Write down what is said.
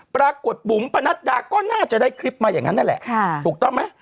ปรากฏบุ๋มปะนัดดาก็น่าจะได้คลิปมาอย่างนั้นนั่นแหละถูกต้องไหม